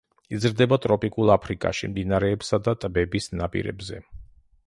იზრდება ტროპიკულ აფრიკაში, მდინარეებისა და ტბების ნაპირებზე.